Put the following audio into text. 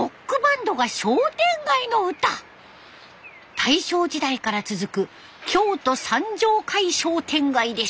大正時代から続く京都三条会商店街です。